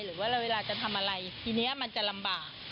หรือว่าเวลาจะทำอะไรทีนี้มันจะลำบาก